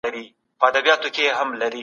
آیا ستاسو تحقیق له منطق سره سمون لري؟